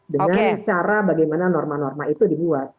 dengan cara bagaimana norma norma itu dibuat